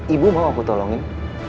ibu mau aku tolongin